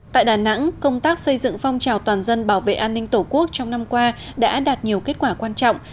tại đà nẵng công tác xây dựng phong trào toàn dân bảo vệ an ninh tổ quốc trong năm qua đã đạt nhiều kết quả quan trọng